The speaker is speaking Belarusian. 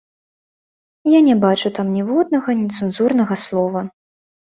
Я не бачу там ніводнага нецэнзурнага слова.